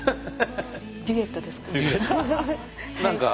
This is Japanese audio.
デュエットですか？